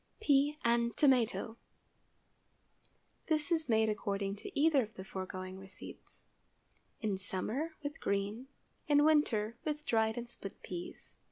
PEA AND TOMATO. ✠ This is made according to either of the foregoing receipts, in summer with green—in winter with dried and split peas.